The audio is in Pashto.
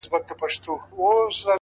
وهر يو رگ ته يې د ميني کليمه وښايه ـ